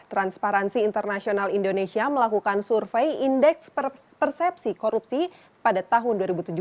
transparansi internasional indonesia melakukan survei indeks persepsi korupsi pada tahun dua ribu tujuh belas